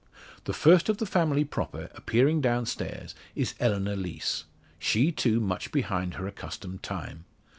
The first of the family proper, appearing down stairs is Eleanor Lees; she, too, much behind her accustomed time.